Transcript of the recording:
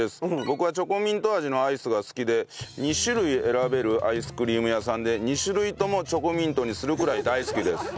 僕はチョコミント味のアイスが好きで２種類選べるアイスクリーム屋さんで２種類ともチョコミントにするくらい大好きです。